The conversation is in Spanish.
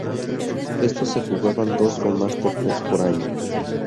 Estos se jugaban dos o más torneos por año.